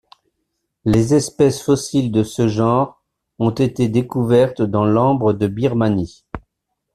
Les espèces fossiles de ce genre ont été découvertes dans de l'ambre de Birmanie.